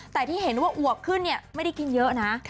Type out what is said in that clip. แต่ที่เห็นว่าอวกขึ้นเนี่ยไม่ได้กินเยอะนะ